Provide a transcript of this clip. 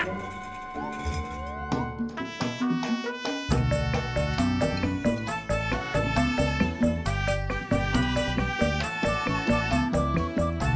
ini juga gak carbon